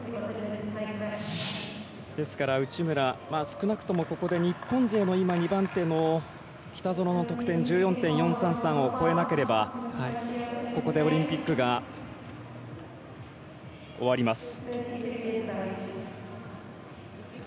内村、少なくともここで日本勢の今、２番手の北園の得点１４．４３３を超えなければここでオリンピックが終わります。